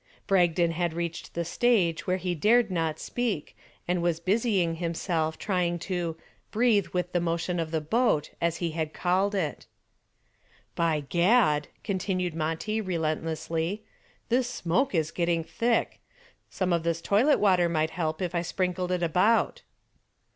Bragdon had reached the stage where he dared not speak and was busying himself trying to "breathe with the motion of the boat," as he had called it. "By Gad," continued Monty, relentlessly, "this smoke is getting thick. Some of this toilet water might help if I sprinkled it about."